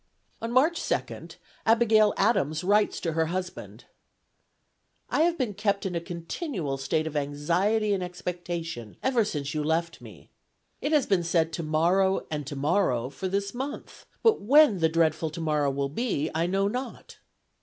On March 2d, Abigail Adams writes to her husband: "I have been kept in a continual state of anxiety and expectation ever since you left me. It has been said 'tomorrow' and 'tomorrow,' for this month, but when the dreadful tomorrow will be, I know not.